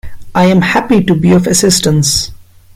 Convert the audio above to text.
I am happy to be of assistance